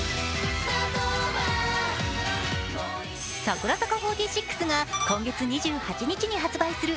櫻坂４６が今月２８日に発売する